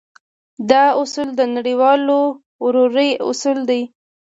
دا اصول د نړيوالې ورورۍ اصول دی.